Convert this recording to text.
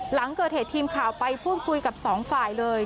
หลังเกิดเหตุทีมข่าวไปพูดคุยกับสองฝ่ายเลย